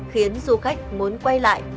khiến du khách muốn quay lại